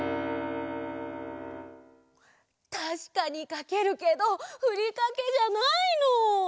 たしかにかけるけどふりかけじゃないの！